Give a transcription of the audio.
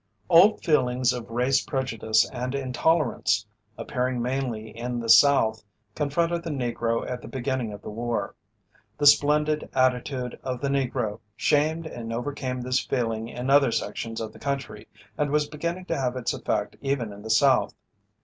Old feelings of race prejudice and intolerance, appearing mainly in the South, confronted the Negro at the beginning of the war. The splendid attitude of the Negro shamed and overcame this feeling in other sections of the country, and was beginning to have its effect even in the South.